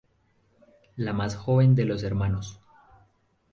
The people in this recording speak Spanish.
La más joven de los hermanos.